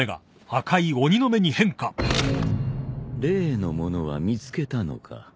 例のものは見つけたのか？